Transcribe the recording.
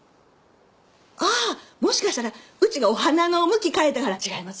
ああもしかしたらうちがお花の向き変えたから違います？